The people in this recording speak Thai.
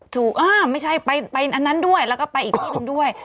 อ่าไม่ใช่ไปอันนั้นด้วยแล้วก็ไปอีกที่หนึ่งด้วย